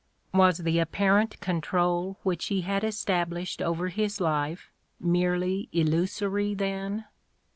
Was the apparent control which he had established over his life merely illusory, then?